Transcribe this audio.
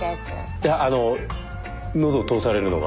いや喉を通されるのが。